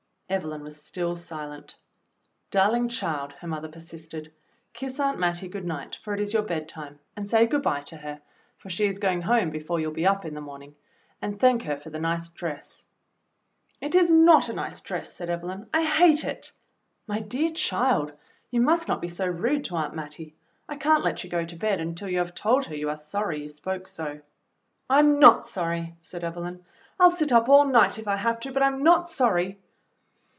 Evelyn was still silent. "Darling child," her mother persisted, "kiss Aunt Mattie good night, for it is your bedtime, and say good bye to her, for she is going home before you'll be up in the morning; and thank her for the nice dress." "It is not a nice dress," said Evelyn. "I hate it." "My dear child, you must not be so rude to Aunt Mattie. I can't let you go to bed until you have told her you are sorry you spoke so." "I'm not sorry," said Evelyn. "I'll sit up all night if I have to, but I'm not sorry."